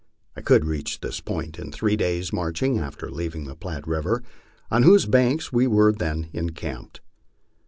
I could reach this point in three days' marching after leaving the Platte river, on whose banks we were then encamped.